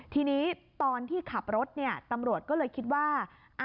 ทีนี้ตอนที่ขับรถตำรวจก็เลยคิดว่า